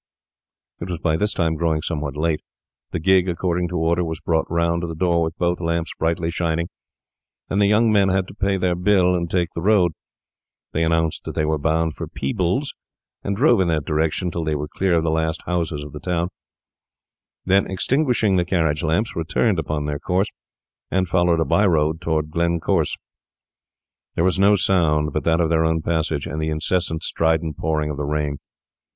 It was by this time growing somewhat late. The gig, according to order, was brought round to the door with both lamps brightly shining, and the young men had to pay their bill and take the road. They announced that they were bound for Peebles, and drove in that direction till they were clear of the last houses of the town; then, extinguishing the lamps, returned upon their course, and followed a by road toward Glencorse. There was no sound but that of their own passage, and the incessant, strident pouring of the rain.